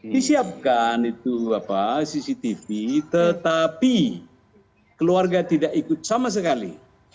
disiapkan itu apa cctv tetapi keluarga tidak ikut sama sekali